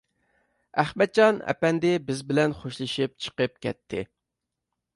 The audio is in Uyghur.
ئەخمەتجان ئەپەندى بىز بىلەن خوشلىشىپ چىقىپ كەتتى.